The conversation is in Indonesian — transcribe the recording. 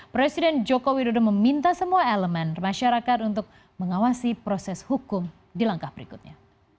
presiden joko widodo meminta semua elemen masyarakat untuk mengawasi proses hukum di langkah berikutnya